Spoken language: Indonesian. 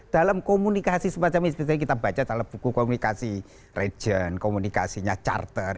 dalam komunikasi semacam ini kita baca dalam buku komunikasi region komunikasinya charter